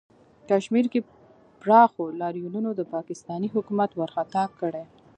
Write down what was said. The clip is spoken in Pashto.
کشمیر کې پراخو لاریونونو د پاکستانی حکومت ورخطا کړی